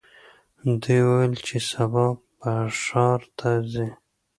دوی وویل چې سبا به ښار ته ځي.